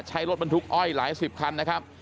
ใช้รถบรรทุกอ้อยหลายสิบคันนะครับ